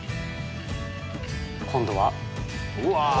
今度はうわあ！